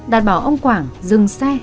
đạt bảo ông quảng dừng xe